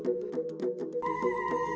sebuah tarian digelar